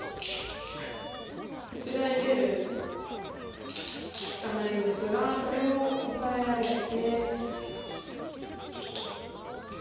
こちらに出るしかないんですがこれもオサえられて。